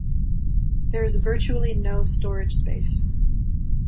There is virtually no storage space.